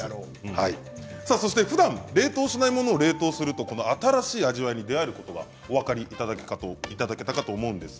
ふだん冷凍しないものを冷凍すると新しい味わいに出会えることがお分かりいただけたかと思います。